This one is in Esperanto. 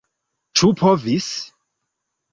Ĉu povis?